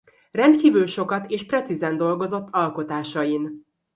Rendkívül sokat és precízen dolgozott alkotásain.